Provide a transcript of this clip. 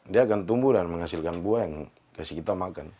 dia akan tumbuh dan menghasilkan buah yang kasih kita makan